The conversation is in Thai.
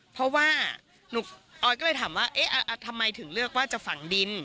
เพราะว่าออยก็เลยถามว่าเอ๊ะทำไมถึงเลือกว่าจะฝังดิน